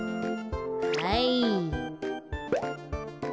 はい。